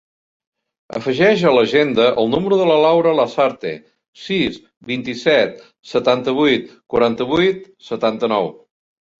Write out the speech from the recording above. Afegeix a l'agenda el número de la Laura Lasarte: sis, vint-i-set, setanta-vuit, quaranta-vuit, setanta-nou.